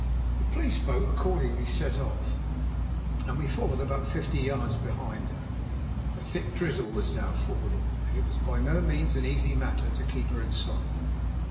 The police boat accordingly set off, and we followed about fifty yards behind her. A thick drizzle was now falling, and it was by no means an easy matter to keep her in sight.